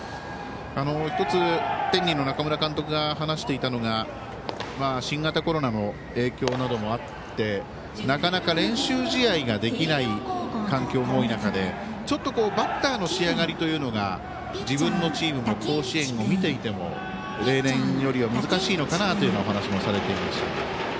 １つ、天理の中村監督が話していたのが新型コロナの影響などもあってなかなか練習試合ができない環境も多い中でバッターの仕上がりというのが自分のチームも甲子園を見ていても例年よりは難しいのかなというお話をされていました。